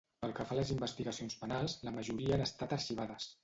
Pel que fa a les investigacions penals, la majoria han estat arxivades.